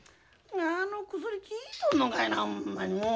あの薬効いとるのかいなほんまにもう！